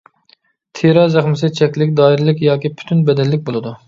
تىرە زەخمىسى چەكلىك، دائىرىلىك ياكى پۈتۈن بەدەنلىك بولىدۇ.